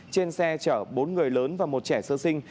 trên xe chở bốn người lớn và một trẻ sơ sinh